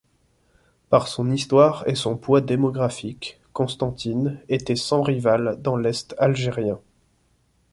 Par son histoire et son poids démographique, Constantine était sans rivale dans l'Est algérien.